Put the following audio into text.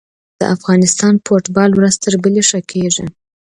د افغانستان فوټبال ورځ تر بلې ښه کیږي.